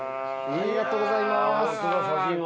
ありがとうございます。